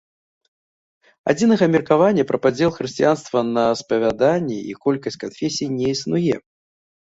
Адзінага меркавання пра падзел хрысціянства на спавяданні і колькасць канфесій не існуе.